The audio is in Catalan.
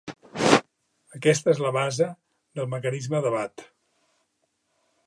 Aquesta és la base del mecanisme de Watt.